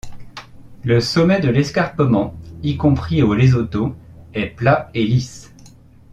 Le sommet de l'escarpement, y compris au Lesotho, est plat et lisse.